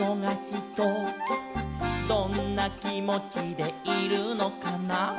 「どんなきもちでいるのかな」